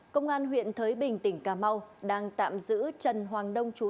công an huyện thới bình tỉnh cà mau đang tạm giữ trần hoàng đông chú